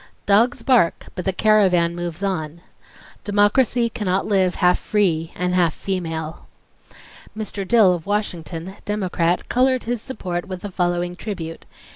'Dogs bark, but the caravan moves on.' ... Democracy cannot live half free and half female." Mr. Dill of Washington, Democrat, colored his support with the following tribute: "..